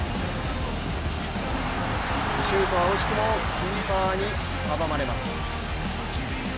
シュートは惜しくもキーパーに阻まれます。